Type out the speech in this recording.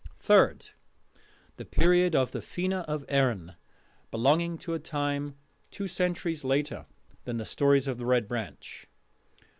Third: The Period of the Fena of Erin, belonging to a time two centuries later than the stories of the Red Branch.